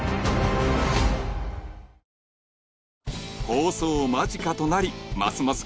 放送間近となりますます